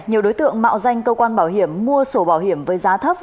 nhiều đối tượng mạo danh cơ quan bảo hiểm mua sổ bảo hiểm với giá thấp